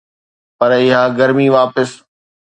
پر اها گرمي واپس